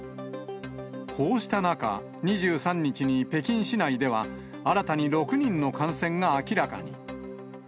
こうした中、２３日に北京市内では、新たに６人の感染が明らかに。